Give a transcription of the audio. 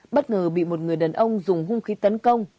bất ngờ bị một người đàn ông dùng hung khí tấn công